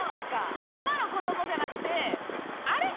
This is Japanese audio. そう今の子供じゃなくて「あれ？